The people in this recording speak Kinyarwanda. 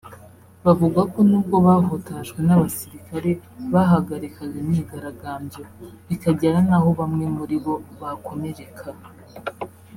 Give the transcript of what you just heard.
Bavuga ko nubwo bahutajwe n’abasirikare bahagarikaga imyigaragambyo bikagera naho bamwe muri bo bakomereka